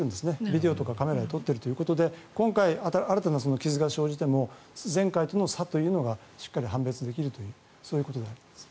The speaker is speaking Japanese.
ビデオとかカメラで撮っているということで今回新たな傷が生じても前回との差はしっかり判別できることだと思います。